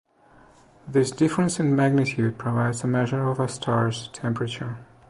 This difference in magnitude provides a measure of a star's temperature.